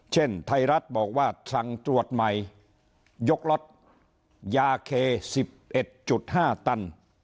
เช่นไทยรัฐบอกว่าสั่งตรวจใหม่ยกล็อตยาเค๑๑๕ตัน